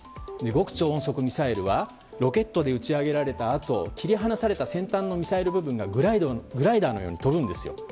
極超音速ミサイルはロケットで打ち上げられたあと切り離された先端のミサイル部分がグライダーのように飛ぶんですよ。